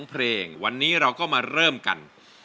เพลงวันนี้เราก็มาเริ่มกัน